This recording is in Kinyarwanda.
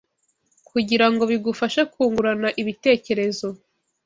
kugirango bigufashe kungurana ibitekerezo